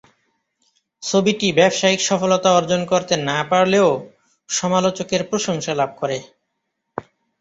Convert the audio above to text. ছবিটি ব্যবসায়িক সফলতা অর্জন করতে না পারলেও সমালোচকের প্রশংসা লাভ করে।